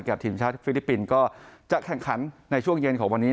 ทีมชาติฟิลิปปินส์ก็จะแข่งขันในช่วงเย็นของวันนี้